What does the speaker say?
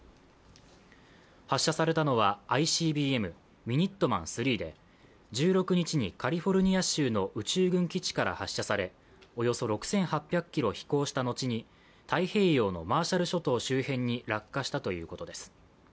発射されたのはＩＣＢＭミニットマン３で１６日にカリフォルニア州の宇宙軍基地から発射されおよそ６８００ｋｍ飛行した後に太平洋のマーシャル諸島周辺に落下したということです。